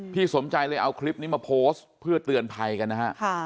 สมใจเลยเอาคลิปนี้มาโพสต์เพื่อเตือนภัยกันนะฮะ